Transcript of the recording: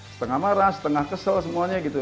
setengah marah setengah kesel semuanya gitu